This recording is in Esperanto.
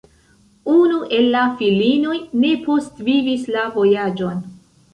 Unu el la filinoj ne postvivis la vojaĝon.